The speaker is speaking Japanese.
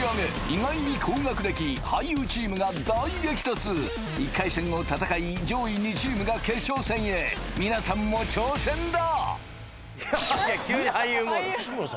「意外に高学歴」「俳優」チームが大激突１回戦を戦い上位２チームが決勝戦へ皆さんも挑戦だ急に俳優モード？